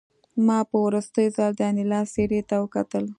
ما په وروستي ځل د انیلا څېرې ته وکتل